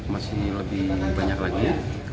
masih lebih banyak lagi ya